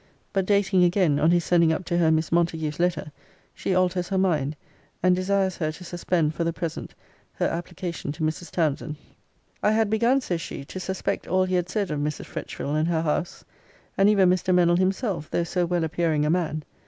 But, dating again, on his sending up to her Miss Montague's letter, she alters her mind, and desires her to suspend for the present her application to Mrs. Townsend.] I had begun, says she, to suspect all he had said of Mrs. Fretchville and her house; and even Mr. Mennell himself, though so well appearing a man.